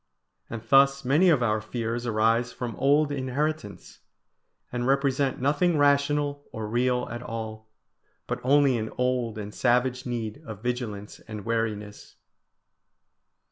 And thus many of our fears arise from old inheritance, and represent nothing rational or real at all, but only an old and savage need of vigilance and wariness.